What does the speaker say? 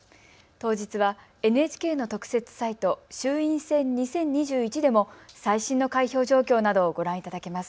当日はＮＨＫの特設サイト、衆院選２０２１でも最新の開票状況などをご覧いただけます。